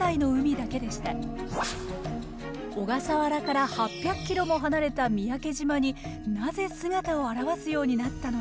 小笠原から８００キロも離れた三宅島になぜ姿を現すようになったのか？